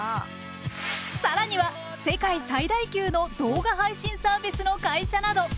更には世界最大級の動画配信サービスの会社など。